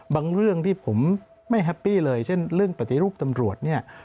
เรื่องที่ผมไม่แฮปปี้เลยเช่นเรื่องปฏิรูปตำรวจเนี่ย